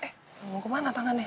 kamu kemana tangannya